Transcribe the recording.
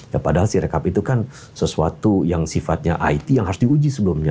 ya padahal si rekap itu kan sesuatu yang sifatnya it yang harus diuji sebelumnya